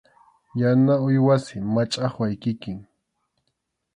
Yana uywasi, machʼaqway kikin.